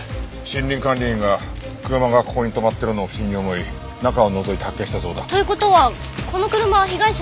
森林管理員が車がここに止まってるのを不審に思い中をのぞいて発見したそうだ。という事はこの車は被害者の。